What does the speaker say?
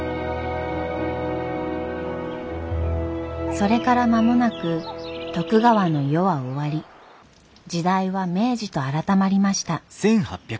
それから間もなく徳川の世は終わり時代は「明治」と改まりました。